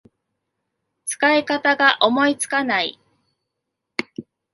使い方が思いつかない